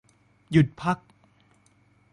หยุดพัก